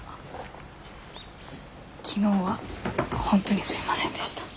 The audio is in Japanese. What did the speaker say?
昨日は本当にすいませんでした。